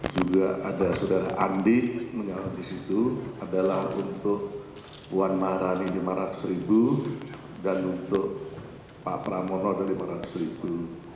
juga ada sudara andi menjawab disitu adalah untuk puan maharani lima ratus ribu dan untuk pak pramono dari lima ratus ribu